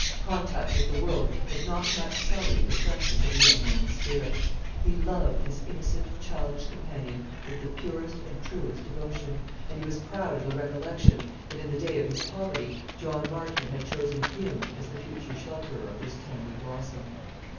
Contact with the world had not much sullied the freshness of the young man's spirit. He loved his innocent, childish companion with the purest and truest devotion; and he was proud of the recollection that in the day of his poverty John Marchmont had chosen him as the future shelterer of this tender blossom.